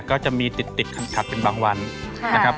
ก็จะมีติดขัดเป็นบางวันนะครับ